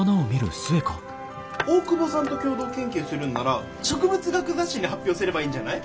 大窪さんと共同研究するんなら植物学雑誌に発表すればいいんじゃない？